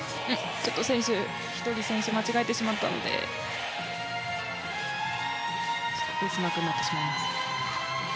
ちょっと選手一人、間違えてしまったのでベースマークになってしまいます。